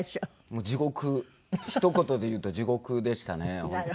もう地獄ひと言で言うと地獄でしたね。